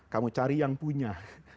kamu cari yang punya